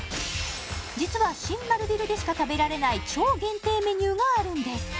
実は新丸ビルでしか食べられない超限定メニューがあるんです